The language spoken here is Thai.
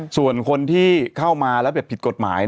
ส่วนคนที่เข้ามาแล้วแบบผิดกฎหมาย